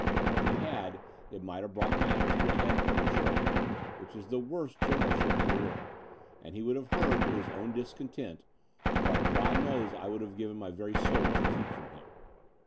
If he had, it might have brought matters. to a head prematurely, which is the worst general ship in the world ; and he would have heard, to his own discontent, what God kiiows I would have given my very soul to keep from him."